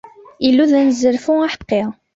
Illu, d anezzarfu aḥeqqi.